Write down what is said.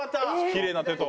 きれいな手と。